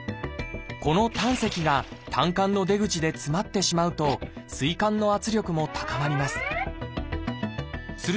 この胆石が胆菅の出口で詰まってしまうとすい管の圧力も高まります。